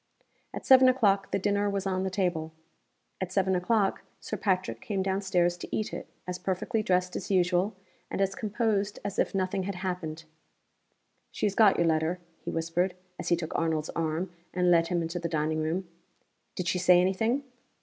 At seven o'clock the dinner was on the table. At seven o'clock Sir Patrick came down stairs to eat it, as perfectly dressed as usual, and as composed as if nothing had happened. "She has got your letter," he whispered, as he took Arnold's arm, and led him into the dining room. "Did she say any thing?"